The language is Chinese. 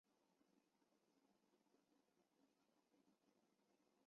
北方的亚种的头顶盖颜色较浅。